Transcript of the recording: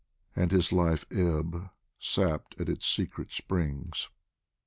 And his life ebb, sapped at its secret springs.